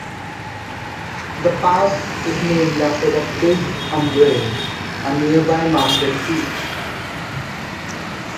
The pass is named after the "Piz Umbrail", a nearby mountain peak.